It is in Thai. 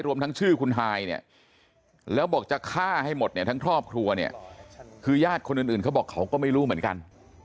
รวมทั้งชื่อคุณฮายเนี่ยแล้วบอกจะฆ่าให้หมดเนี่ยทั้งครอบครัวเนี่ยคือญาติคนอื่นเขาบอกเขาก็ไม่รู้เหมือนกัน